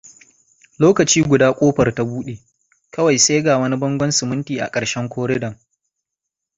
Lokaci guda ƙofar ta buɗe, kawai sai ga wani bangon siminti a ƙarshen koridon.